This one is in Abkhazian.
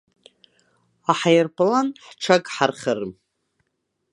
Аҳаирплан ҳҽагҳархарым.